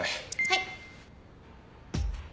はい。